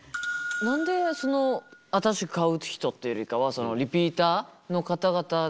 何でその新しく買う人っていうよりかはリピーターの方々の重視になってるんですか？